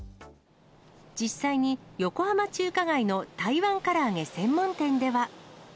実際に横浜中華街の台湾から揚げ専門店では。